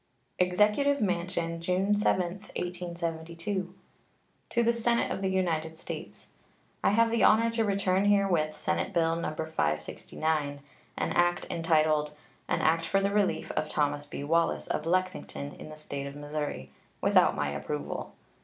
EXECUTIVE MANSION, June 7, 1872. To the Senate of the United States: I have the honor to return herewith Senate bill No. 569, an act entitled "An act for the relief of Thomas B. Wallace, of Lexington, in the State of Missouri," without my approval.